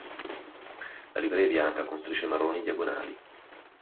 La livrea è bianca con strisce marroni diagonali.